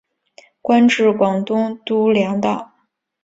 官至广东督粮道。